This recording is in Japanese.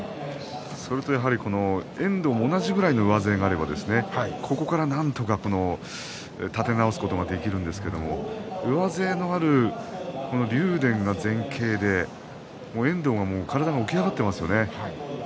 それと遠藤も同じぐらいの上背があればそこから、なんとか立て直すことができるんですが上背のある竜電が前傾で遠藤は体が起き上がっていますよね。